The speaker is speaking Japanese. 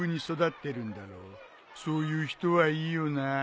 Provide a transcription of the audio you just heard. そういう人はいいよな。